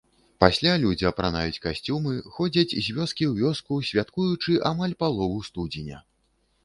Пасля людзі апранаюць касцюмы, ходзяць з вёскі ў вёску, святкуючы амаль палову студзеня!